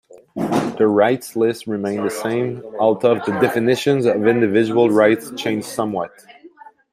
The rights list remained the same, although the definitions of individual rights changed somewhat.